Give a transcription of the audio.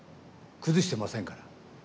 崩してませんから。